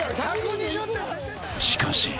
［しかし］